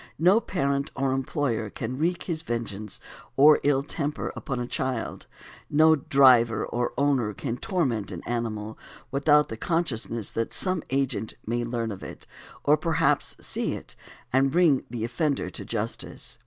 No parent or employer can wreak his vengeance or ill temper upon a child, no driver or owner can torment an animal, without the consciousness that some agent may learn of it, or perhaps see it, and bring the offender to justice.